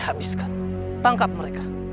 habiskan tangkap mereka